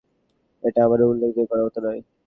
এটা আবার উল্লেখ করার মতো নয়।